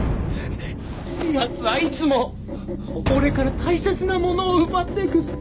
奴はいつも俺から大切なものを奪っていく。